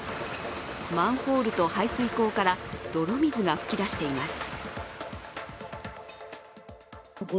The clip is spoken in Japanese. マンホールと排水溝から泥水が噴き出しています。